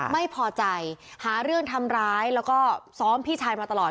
ไม่พอใจหาเรื่องทำร้ายแล้วก็ซ้อมพี่ชายมาตลอด